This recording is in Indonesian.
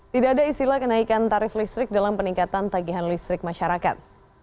tidak ada istilah kenaikan tarif listrik dalam peningkatan tagihan listrik masyarakat